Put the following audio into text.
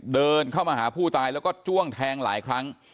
เดินเข้ามาหาผู้ตายแล้วก็จ้วงแทงหลายครั้ง